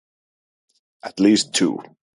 At least two.